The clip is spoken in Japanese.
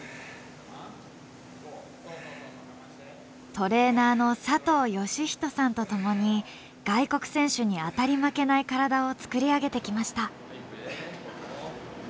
トレーナーの佐藤義人さんと共に外国選手に当たり負けない体を作り上げてきました。